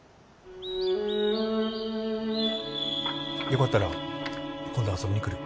よかったら今度遊びに来る？